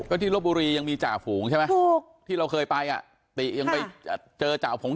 ก็ที่ลบบุรียังมีจ่าฝูงใช่ไหมถูกที่เราเคยไปอ่ะติยังไปเจอจ่าผง